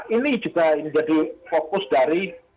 ini juga menjadi fokus dari